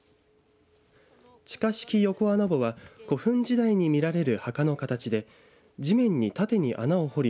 地下式横穴墓は古墳時代に見られる墓の形で地面に縦に穴を掘り